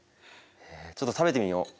ちょっと食べてみよ。